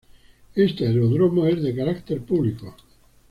Este aeródromo es de carácter público.